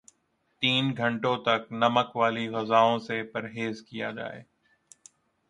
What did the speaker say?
تین گھنٹوں تک نمک والی غذاوں سے پرہیز کیا جائے